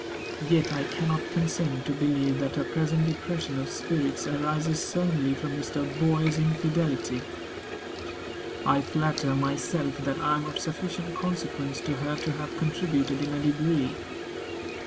Yet I cannot consent to believe that her present depression of spirits arises solely from Mr. Boyer's infidelity. I flatter myself that I am of sufficient consequence to her to have contributed in a degree.